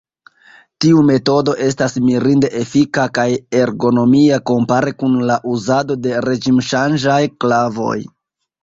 Tiu metodo estas mirinde efika kaj ergonomia kompare kun la uzado de reĝimŝanĝaj klavoj.